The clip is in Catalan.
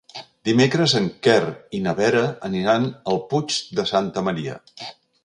Dimecres en Quer i na Vera aniran al Puig de Santa Maria.